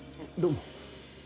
どうも。